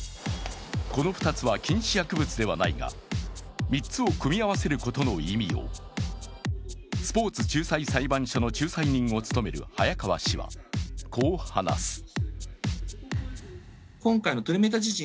この２つは禁止薬物ではないが３つを組み合わせることの意味をスポーツ仲裁裁判所の仲裁人を務める早川氏は、こう話す。